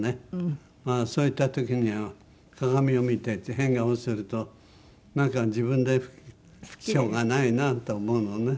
まあそういった時には鏡を見て変顔をするとなんか自分でしょうがないなと思うのね。